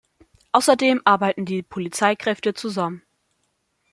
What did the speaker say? Außerdem arbeiten die Polizeikräfte zusammen.